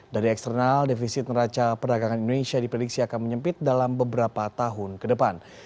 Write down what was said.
dari eksternal defisit neraca perdagangan indonesia diprediksi akan menyempit dalam beberapa tahun ke depan